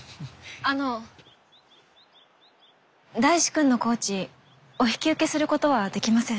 あの大志くんのコーチお引き受けすることはできません。